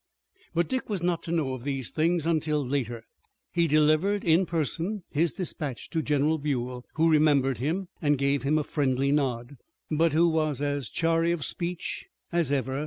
But Dick was not to know of these things until later. He delivered in person his dispatch to General Buell, who remembered him and gave him a friendly nod, but who was as chary of speech as ever.